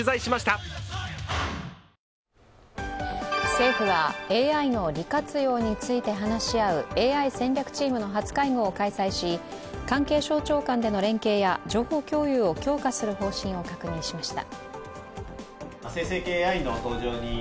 政府はＡＩの利活用について話し合うＡＩ戦略チームの初会合を開催し、関係省庁間での連携や情報共有を強化する方針を確認しました。